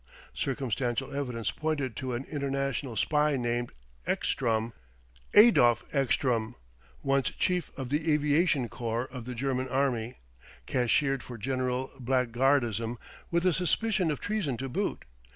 Circumstantial evidence pointed to an international spy named Ekstrom Adolph Ekstrom, once Chief of the Aviation Corps of the German Army, cashiered for general blackguardism with a suspicion of treason to boot.